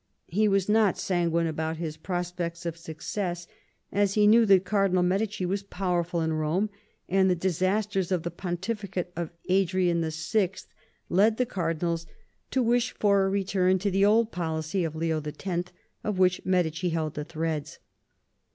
He was not sanguine about his prospects of success, as he knew that Cardinal Medici was powerful in Eome ; and the disasters of the pontificate of Adrian VI. led the cardinals to wish for a return to the old policy of Leo X., of which Medici held the threads.